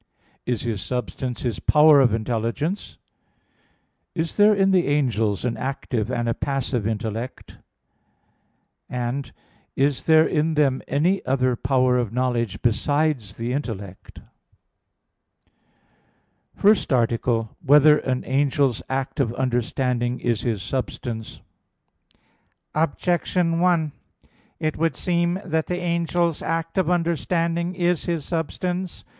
(3) Is his substance his power of intelligence? (4) Is there in the angels an active and a passive intellect? (5) Is there in them any other power of knowledge besides the intellect? _______________________ FIRST ARTICLE [I, Q. 54, Art. 1] Whether an Angel's Act of Understanding Is His Substance? Objection 1: It would seem that the angel's act of understanding is his substance.